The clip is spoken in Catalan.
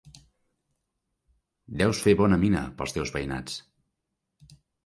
Deus fer bona mina pels teus veïnats.